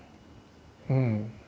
うん。